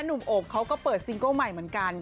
น้องโอบนี้ก็เปิดซิงเกอร์ใหม่เหมือนกัน